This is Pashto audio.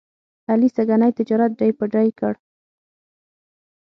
علي سږني تجارت ډۍ په ډۍ کړ.